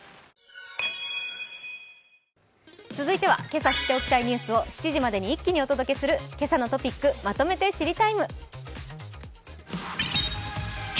今朝知っておきたいニュースを７時までに一気にお届けする「けさのトピックまとめて知りＴＩＭＥ，」。